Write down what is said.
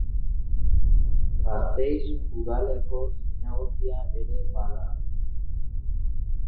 Gasteiz udaleko zinegotzia ere bada.